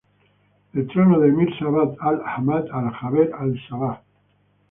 El trono de Emir Sabah Al-Ahmad Al-Jaber Al-Sabah.